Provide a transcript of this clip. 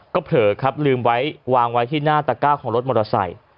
ก็เผลอครับลืมไว้วางไว้ที่หน้าตะก้าของรถมอเตอร์ไซค์